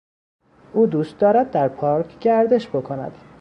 او دوست دارد در پارک گردش بکند.